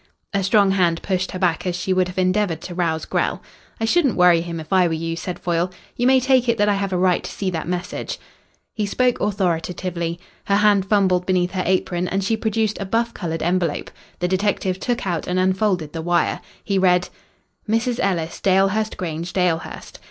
A strong hand pushed her back as she would have endeavoured to rouse Grell. "I shouldn't worry him if I were you," said Foyle. "You may take it that I have a right to see that message." He spoke authoritatively. Her hand fumbled beneath her apron and she produced a buff coloured envelope. The detective took out and unfolded the wire. He read "Mrs. Ellis, Dalehurst Grange, Dalehurst.